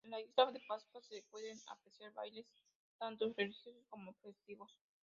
En la Isla de Pascua se pueden apreciar bailes tanto religiosos como festivos.